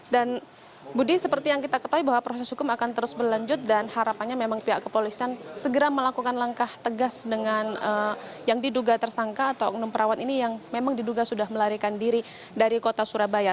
dan budi seperti yang kita ketahui bahwa proses hukum akan terus berlanjut dan harapannya memang pihak kepolisian segera melakukan langkah tegas dengan yang diduga tersangka atau enam perawat ini yang memang diduga sudah melarikan diri dari kota surabaya